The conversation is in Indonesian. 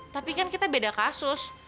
tapi kan kita beda kasus